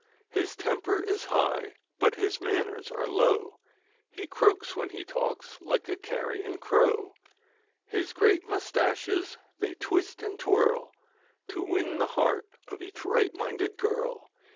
173 THE FAIR His temper is high, but his manners are low, MAID He croaks when he talks like a carrion crow. WITH His g rea t moustaches they twist and twirl, LOCKS To win the heart of eac ? 1 right minded girl.